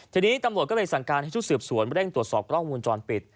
ทีนี้ตำรวจก็เลยสั่งการให้ชุดสืบสวนเร่งตรวจสอบกล้องวงจรปิด